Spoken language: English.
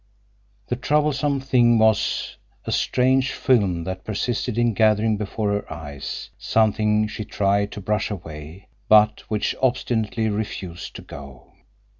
The troublesome thing was a strange film that persisted in gathering before her eyes, something she tried to brush away, but which obstinately refused to go.